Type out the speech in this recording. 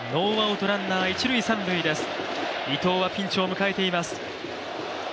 伊藤はピンチを迎えています。